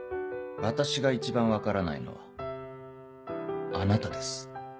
私が一番分からないのはあなたです。